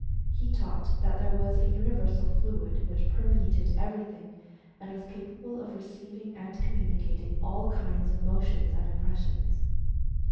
He taught that there was a universal fluid which perme ated everything, and was capable of receiving and communicating all kinds of motions and impressions.